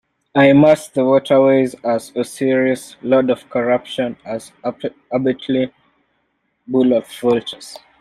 I immerse the waterways as Osiris, Lord of corruption, as Adjety, bull of vultures.